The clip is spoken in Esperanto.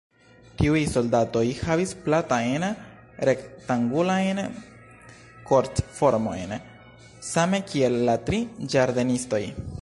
Tiuj soldatoj havis platajn rektangulajn korpformojn—same kiel la tri ĝardenistoj.